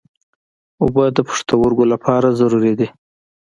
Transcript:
اوبه د پښتورګو لپاره ضروري دي.